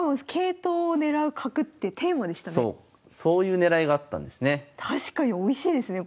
そういうねらいがあったんですね。